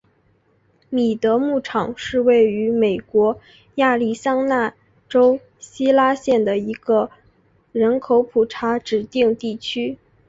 米德牧场是位于美国亚利桑那州希拉县的一个人口普查指定地区。